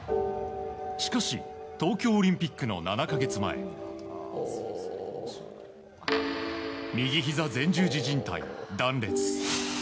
しかし東京オリンピックの７か月前右ひざ前十字じん帯断裂。